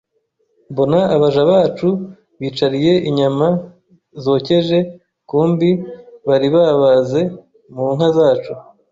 mbona abaja bacu bicariye inyama zokeje kumbi bari babaze munka zacu,